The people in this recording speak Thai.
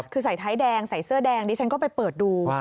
คือใส่ท้ายแดงใส่เสื้อแดงดิฉันก็ไปเปิดดู